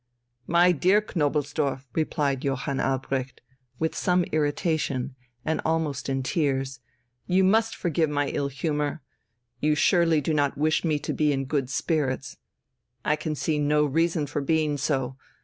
"My dear Knobelsdorff," replied Johann Albrecht, with some irritation and almost in tears, "you must forgive my ill humour; you surely do not wish me to be in good spirits. I can see no reason for being so.